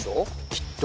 きっと。